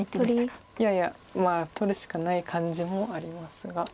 いやいやまあ取るしかない感じもありますが。